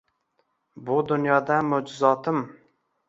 Bu dunyoda moʼʼjizotim.